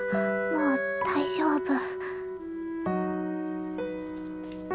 もう大丈夫。